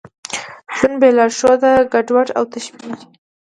ژوند بېلارښوده ګډوډ او تشېږي.